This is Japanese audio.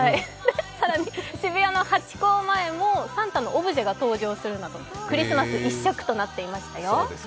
更に渋谷のハチ公前もサンタのオブジェが登場するなどクリスマス一色となっていましたよ。